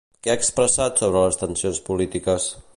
Què ha expressat sobre les tensions polítiques?